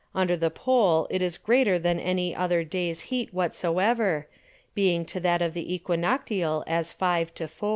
Under the Pole it is greater than any other Days Heat whatsoever, being to that of the Æquinoctial as 5 to 4.